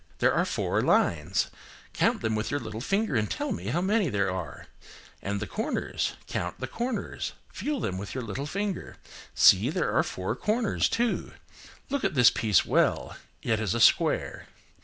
There are four lines: count them with your little finger and tell me how many there are. And the corners,–count the corners, feel them with your little finger. See, there are four corners too. Look at this piece well. It is a square."